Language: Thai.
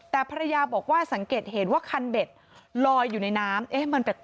แต่ภรรยาบอกว่าสังเกตเห็นว่าคันเบ็ดลอยอยู่ในน้ำมันแปลก